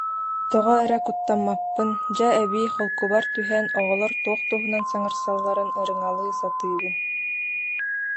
Тоҕо эрэ куттаммаппын, дьэ эбии холкубар түһэн, оҕолор туох туһунан саҥарсалларын ырыҥалыы сатыыбын